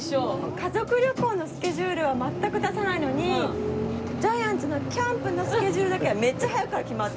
家族旅行のスケジュールは全く出さないのにジャイアンツのキャンプのスケジュールだけはめっちゃ早くから決まって。